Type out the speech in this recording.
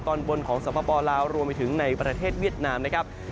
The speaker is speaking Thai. ตอนบนของสปลาวรวมไปถึงในประเทศเวียดนามนะครับ